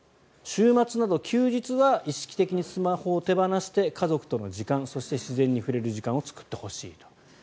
週末など休日は意識的にスマホを手放して家族との時間そして自然に触れる時間を作ってほしいと。